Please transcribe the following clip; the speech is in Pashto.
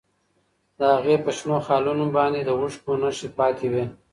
د هغې په شنو خالونو باندې د اوښکو نښې پاتې وې.